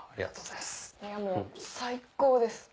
いやもう最高です！